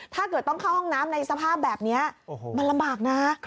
ถ้าเกิดต้องเข้าห้องน้ำในสภาพแบบนี้มันลำบากนะ